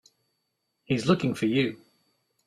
He's looking for you.